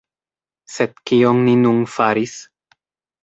Sed kion ni nun faris?